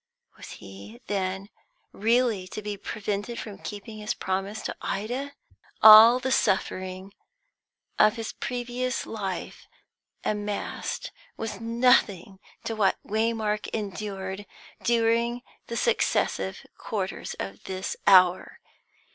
Was he, then, really to be prevented from keeping his promise to Ida? All the suffering of his previous life amassed was nothing to what Waymark endured during the successive quarters of this hour.